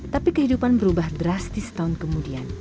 tapi kehidupan berubah drastis tahun kemudian